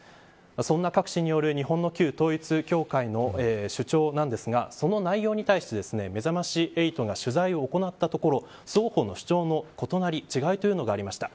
そんなカク氏による日本の旧統一教会の主張なんですがその内容に対してめざまし８が取材を行ったところ双方の主張の異なり違いというのがありました。